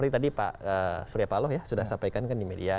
tadi pak surya paloh ya sudah sampaikan kan di media